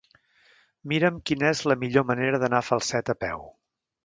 Mira'm quina és la millor manera d'anar a Falset a peu.